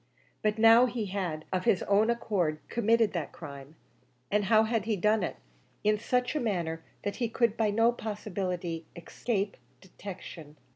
But now he had of his own accord committed that crime; and how had he done it? In such a manner that he could by no possibility escape detection.